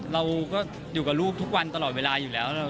เราก็อยู่กับลูกทุกวันตลอดเวลาอยู่แล้ว